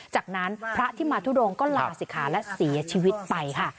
จากนั้นพระที่มาทุดงก็ลาศิกขาและเสียชีวิตไปค่ะ